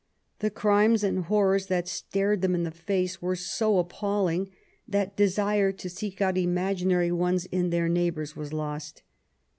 The crimes and horrors that stared them in the face were so appalling that desire to seek out imaginary ones in their neigh bours was lost.